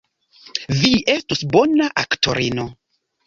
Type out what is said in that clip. Vi estus bona aktorino.